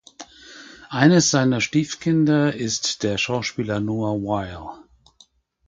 Eines seiner Stiefkinder ist der Schauspieler Noah Wyle.